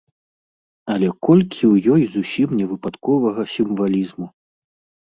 Але колькі ў ёй зусім невыпадковага сімвалізму!